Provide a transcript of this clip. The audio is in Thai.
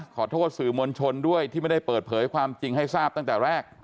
ขอโทษสื่อมวลชนด้วยที่ไม่ได้เปิดเผยความจริงให้ทราบตั้งแต่แรก